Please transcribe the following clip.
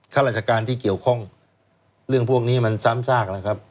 ข้าราชการที่เกี่ยวข้องเรื่องพวกนี้มันซ้ำซากแล้วครับ